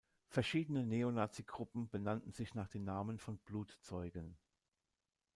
Verschiedene Neonazi-Gruppen benannten sich nach den Namen von Blutzeugen.